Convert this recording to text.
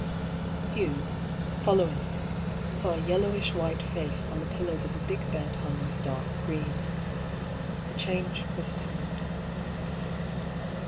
Hugh, following her, saw a yellowish white face on the pillows of a big bed hung with dark green. The change was at hand.